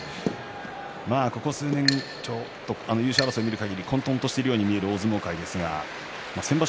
ここ数年、優勝争いを見るかぎり混とんとしている大相撲界ですが先場所